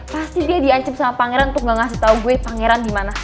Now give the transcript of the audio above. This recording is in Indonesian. pasti dia diancim sama pangeran untuk gak ngasih tau gue pangeran dimana